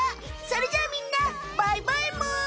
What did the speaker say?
それじゃみんなバイバイむ！